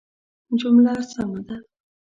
جمله سمه ده